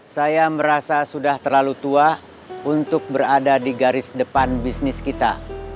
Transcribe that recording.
saya merasa sudah terlalu tua untuk berada di garis depan bisnis kita